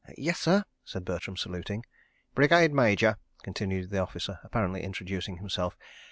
"Yes, sir," said Bertram, saluting. "Brigade Major," continued the officer, apparently introducing himself.